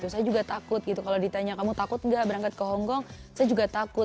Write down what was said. saya juga takut gitu kalau ditanya kamu takut nggak berangkat ke hongkong saya juga takut